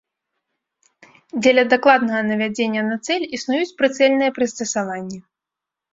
Дзеля дакладнага навядзення на цэль існуюць прыцэльныя прыстасаванні.